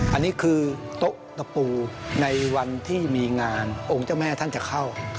อันนี้คือโต๊ะตะปูในวันที่มีงานองค์เจ้าแม่ท่านจะเข้า